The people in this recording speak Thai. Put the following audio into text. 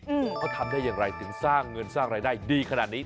เขาทำได้อย่างไรถึงสร้างเงินสร้างรายได้ดีขนาดนี้